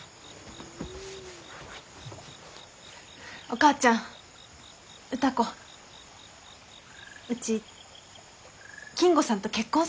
お母ちゃん歌子うち金吾さんと結婚する。